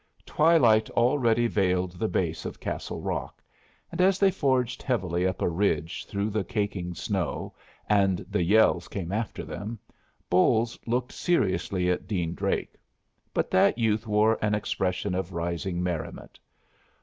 Twilight already veiled the base of Castle Rock, and as they forged heavily up a ridge through the caking snow, and the yells came after them, Bolles looked seriously at Dean Drake; but that youth wore an expression of rising merriment.